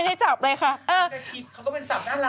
ในเวลาแบบมีการโอบมีการกอดอะไรอย่างนี้